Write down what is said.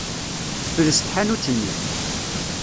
Tefles tḥanut-nni.